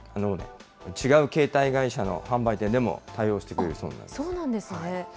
違う携帯会社の販売店でも対応してくれるそうなんです。